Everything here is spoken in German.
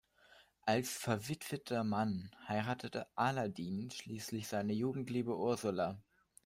Als verwitweter Mann heiratete Aladin schließlich seine Jugendliebe Ursula.